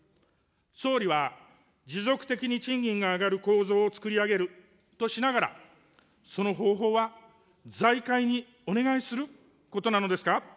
総理は持続的に賃金が上がる構造を作り上げるとしながら、その方法は財界にお願いすることなのですか。